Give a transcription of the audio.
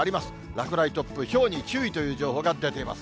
落雷、突風、ひょうに注意という情報が出ています。